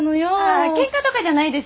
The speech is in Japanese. ああケンカとかじゃないですよ。